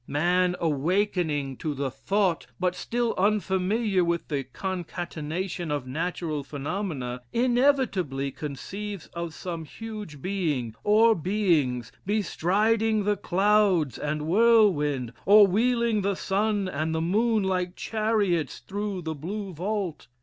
Man awakening to thought, but still unfamiliar with the concatenation of natural phenomena, inevitably conceives of some huge being, or beings, bestriding the clouds and whirlwind, or wheeling the sun and the moon like chariots through the blue vault.